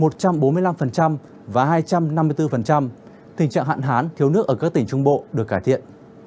tình trạng hạn hán thiếu nước ở các tỉnh trung bộ được cải thiện